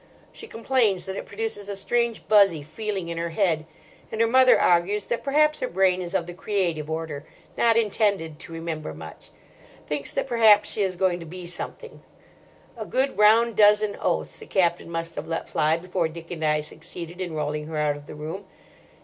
She complains that it produces a strange buzzy feeling in her head; and her mother argues that perhaps her brain is of the creative order, not intended to remember much—thinks that perhaps she is going to be something. A good round dozen oaths the Captain must have let fly before Dick and I succeeded in rolling her out of the room.